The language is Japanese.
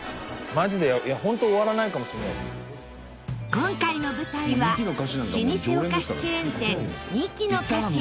今回の舞台は老舗お菓子チェーン店二木の菓子